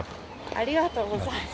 ありがとうございます。